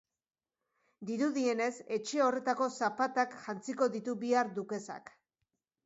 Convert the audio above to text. Dirudienez, etxe horretako zapatak jantziko ditu bihar dukesak.